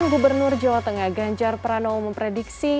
gubernur jawa tengah ganjar pranowo memprediksi